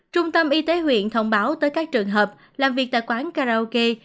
trung tâm y tế huyện thông báo tới các trường hợp làm việc tại quán karaoke